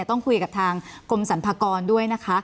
ต้องคุยกับทางกรมสรรพากรด้วยนะคะ